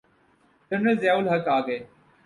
General Zia ul-Haq آ گئے۔